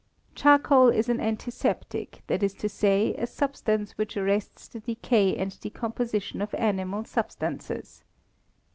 Charcoal is an antiseptic, that is to say, a substance which arrests the decay and decomposition of animal substances.